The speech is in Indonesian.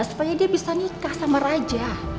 supaya dia bisa nikah sama raja